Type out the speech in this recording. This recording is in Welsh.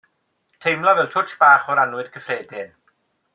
Teimlo fel twtsh bach o'r annwyd cyffredin.